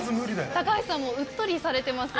橋さんもうっとりされてますね。